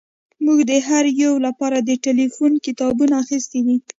موږ د هر یو لپاره د ټیلیفون کتابونه اخیستي دي